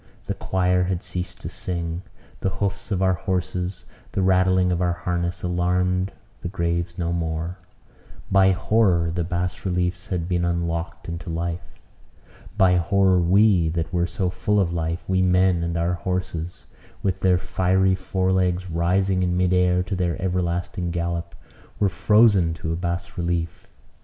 The choir had ceased to sing. The hoofs of our horses, the rattling of our harness, alarmed the graves no more. By horror the bas relief had been unlocked into life. By horror we, that were so full of life, we men and our horses, with their fiery fore legs rising in mid air to their everlasting gallop, were frozen to a bas relief.